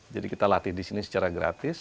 kita latih di sini secara gratis